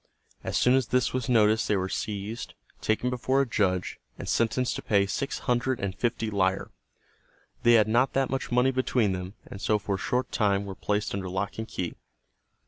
As soon as this was noticed they were seized, taken before a judge, and sentenced to pay six hundred and fifty lire. They had not that much money between them, and so for a short time were placed under lock and key.